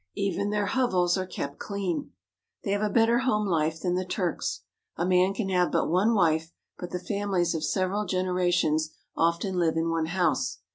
Even their hovels are kept clean. They have a better home life than the Turks. A man can have but one wife, but the families of several gene rations often live in one house.